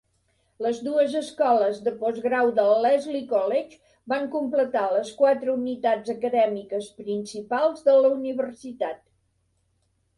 Les dues escoles de postgrau del Lesley College van completar les quatre unitats acadèmiques principals de la universitat.